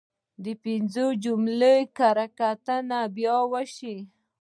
د پنځه جملې کره کتنه باید وشي.